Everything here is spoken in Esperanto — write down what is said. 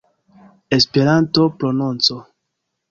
Esperanto-prononco